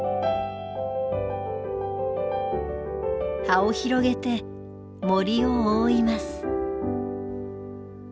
葉を広げて森を覆います。